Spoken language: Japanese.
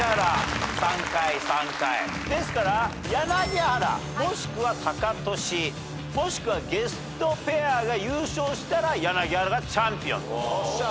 ですから柳原もしくはタカトシもしくはゲストペアが優勝したら柳原がチャンピオン。